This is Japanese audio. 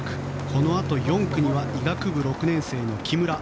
このあと４区には医学部６年生の木村。